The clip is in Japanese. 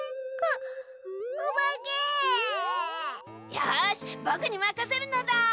よしぼくにまかせるのだ。